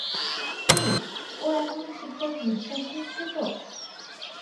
হেই, ও এখনো ঠিকঠাক নিশ্বাস নিচ্ছে তো?